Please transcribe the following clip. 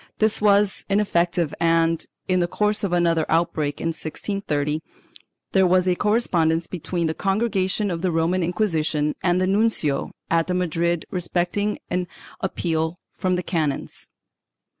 This was ineffective and, in the course of another outbreak in 1630, there was a correspondence between the Congregation of the Roman Inquisition and the nuncio at Madrid respecting an appeal from the canons.